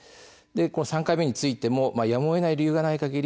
３回目についてもやむをえない理由がないかぎり